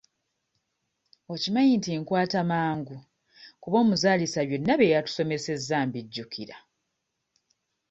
Okimanyi nti nkwata mangu kuba omuzaalisa byonna bye yatusomesezza mbijjukira?